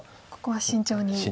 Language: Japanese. ここは慎重に。